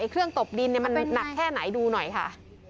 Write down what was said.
เครื่องตบดินมันหนักแค่ไหนดูหน่อยค่ะ